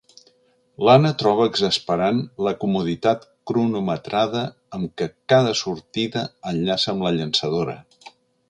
L'Anna troba exasperant la comoditat cronometrada amb què cada sortida enllaça amb la llançadora.